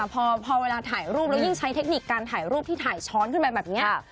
พอเวลาถ่ายรูปแล้วยิ่งใช้เทคนิคการถ่ายรูปที่ถ่ายช้อนขึ้นมาแบบนี้